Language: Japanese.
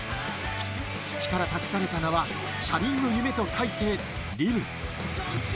父から託されたのは車輪の夢とか書いて輪夢。